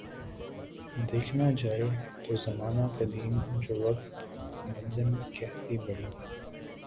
دیکھنا جائے تو زمانہ قدیم جو وقت منظم کھیتی باڑی